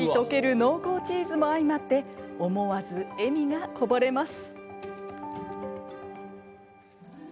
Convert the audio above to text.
濃厚チーズも相まって思わず笑みがこぼれます。